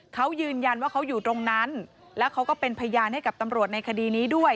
เขายืนยันว่าเขาอยู่ตรงนั้นแล้วเขาก็เป็นพยานให้กับตำรวจในคดีนี้ด้วย